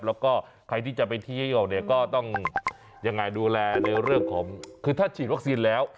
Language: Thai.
แล้วก็ใครที่จะไปเที่ยวเนี่ยก็ต้องยังไงดูแลในเรื่องของคือถ้าฉีดวัคซีนแล้ว